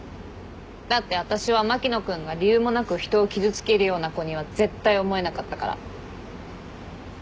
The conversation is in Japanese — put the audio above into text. だって私は牧野君が理由もなく人を傷つけるような子には絶対思えなかったから。